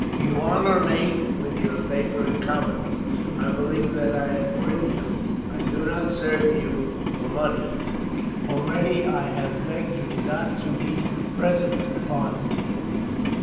You honour me with your favour and confidence; I believe that I am worthy of it. I do not serve you for money. Already I have begged you not to heap presents upon me.